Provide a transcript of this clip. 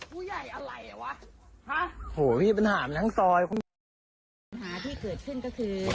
ผู้ใหญ่อะไรอ่ะวะฮะโหพี่ปัญหามันทั้งซอยคุณผู้ชมปัญหาที่เกิดขึ้นก็คือ